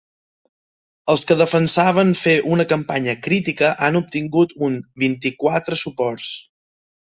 Els que defensaven fer una campanya ‘crítica’ han obtingut un vint-i-quatre suports.